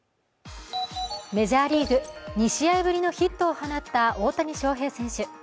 メジャーリーグ、２試合ぶりのヒットを放った大谷翔平選手。